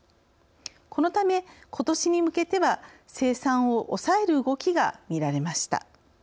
このためことしに向けては生産を抑える動きが見られました。